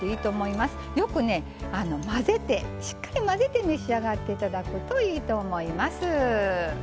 よくね混ぜてしっかり混ぜて召し上がって頂くといいと思います。